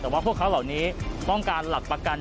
แต่ว่าพวกเขาเหล่านี้ต้องการหลักประกัน